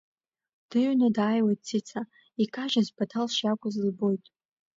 Дыҩны дааиуеит Цица, икажьыз Баҭал шиакәыз лбоит.